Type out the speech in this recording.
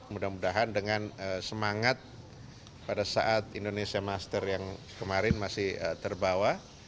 mudah mudahan dengan semangat pada saat indonesia master yang kemarin masih terbawa